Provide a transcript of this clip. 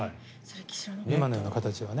今のような形はね。